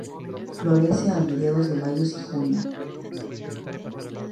Florece a mediados de mayo y junio.